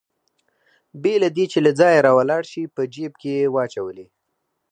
بې له دې چې له ځایه راولاړ شي په جېب کې يې واچولې.